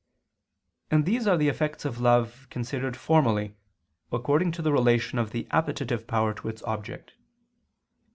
And these are the effects of love considered formally, according to the relation of the appetitive power to its object.